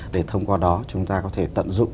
để thông qua đó chúng ta có thể tận dụng